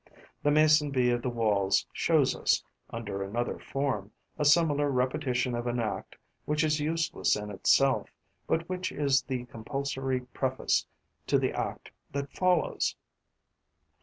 The Mason bee of the Walls shows us, under another form, a similar repetition of an act which is useless in itself, but which is the compulsory preface to the act that follows.